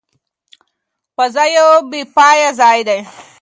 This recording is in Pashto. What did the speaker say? فضا یو بې پایه ځای دی.